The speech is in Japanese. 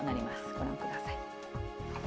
ご覧ください。